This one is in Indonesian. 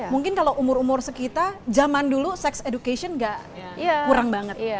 mungkin kalau umur umur sekitar zaman dulu sex education gak kurang banget